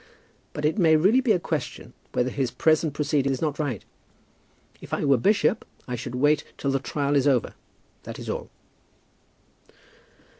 But it may really be a question whether his present proceeding is not right. If I were bishop I should wait till the trial was over; that is all."